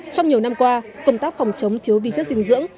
trong nhiều năm qua công tác phòng chống thiếu vi chất dinh dưỡng